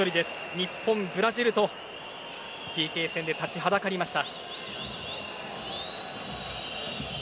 日本、ブラジルとＰＫ戦で立ちはだかりました。